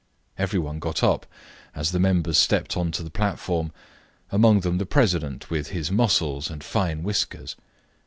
Every one got up as the members stepped on to the platform. Among them the president, with his muscles and fine whiskers.